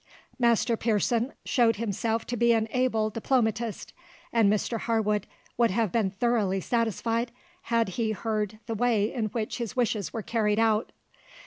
Master Pearson showed himself to be an able diplomatist, and Mr Harwood would have been thoroughly satisfied had he heard the way in which his wishes were carried out.